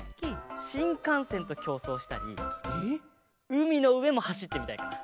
しんかんせんときょうそうしたりうみのうえもはしってみたいかな。